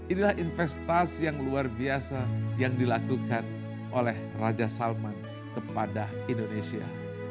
inilah investasi yang luar biasa yang dilakukan oleh raja salman kepada indonesia